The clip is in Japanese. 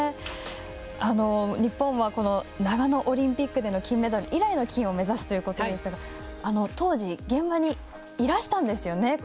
日本は長野オリンピックでの金メダル以来の金を目指すということですけど当時、現場にいらしたんですよね。